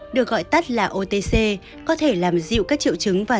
được gọi tắt là otc có thể làm dịu các triệu chứng và